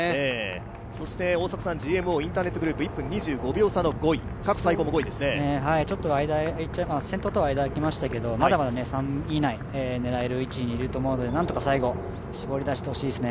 そしてＧＭＯインターネットグループ、先頭とは１分２５秒差の５位、先頭とは間あきましたけと、まだまだ３位以内狙える位置にいますので何とか最後、絞り出してほしいですね。